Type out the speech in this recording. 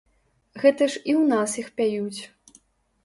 Гэта ж і ў нас іх пяюць.